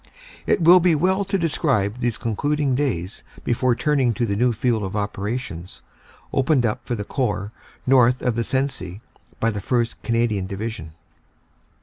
It will be well to describe these con cluding days before turning to the new field of operations opened up for the Corps north of the Sensee by the 1st. Cana dian Division.